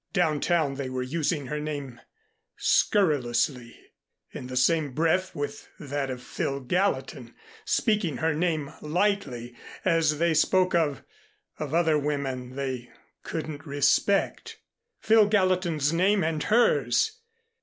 Downtown they were using her name scurrilously in the same breath with that of Phil Gallatin, speaking her name lightly as they spoke of of other women they couldn't respect. Phil Gallatin's name and hers!